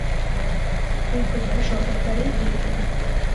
এই প্রকার সব ব্যাপারেই এইরূপ।